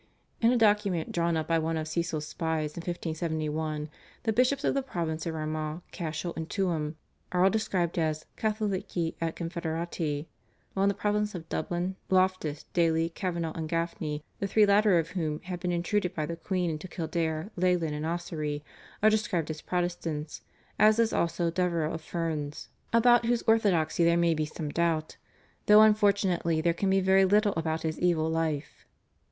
" In a document drawn up by one of Cecil's spies in 1571 the bishops of the province of Armagh, Cashel, and Tuam are all described as /Catholici et Confoederati/, while in the province of Dublin, Loftus, Daly, Cavenagh, and Gafney, the three latter of whom had been intruded by the queen into Kildare, Leighlin, and Ossory, are described as Protestants, as is also Devereux of Ferns, about whose orthodoxy there may be some doubt, though unfortunately there can be very little about his evil life.